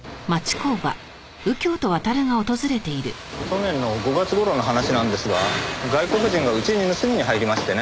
去年の５月頃の話なんですが外国人がうちに盗みに入りましてね。